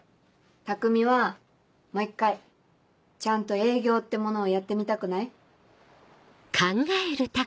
たくみはもう一回ちゃんと営業ってものをやってみたくない？